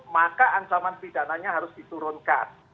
maka ancaman pidananya harus diturunkan